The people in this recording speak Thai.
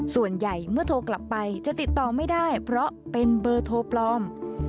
ส่วนใหญ่เมื่อโทรกลับไปจะติดต่อไม่ได้เพราะเป็นเบอร์โทรปลอม